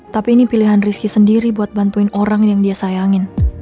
tapi ini pilihan rizky sendiri buat bantuin orang yang dia sayangin